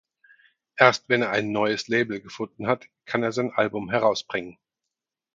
Erst wenn er ein neues Label gefunden hat kann er sein Album herausbringen.